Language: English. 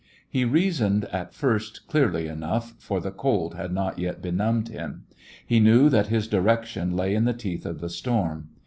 He reasoned at first clearly enough, for the cold had not yet benumbed him. He knew that his direction lay in the teeth of the storm.